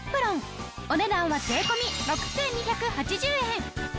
お値段は税込６２８０円。